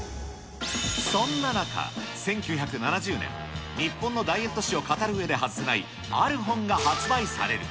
そんな中、１９７０年、日本のダイエット史を語るうえで外せない、ある本が発売される。